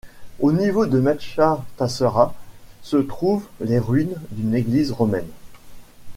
Au niveau de Mechta Tassera se trouve les ruines d'une église romaine.